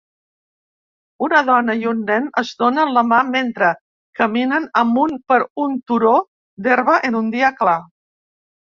Una dona i un nen es donen la mà mentre caminen amunt per un turó d'herba en un dia clar.